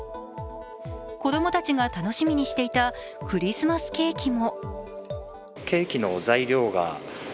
子供たちが楽しみにしていたクリスマスケーキも。